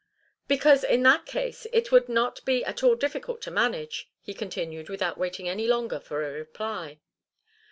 "Because, in that case, it would not be at all difficult to manage," he continued, without waiting any longer for a reply.